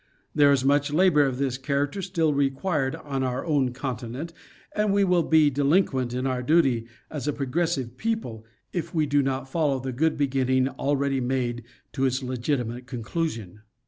There is much labor of this character still required on our own continent, and we will be delinquent in our duty as a progressive people if we do not follow the good beginning already made to its legiti mate conclusion.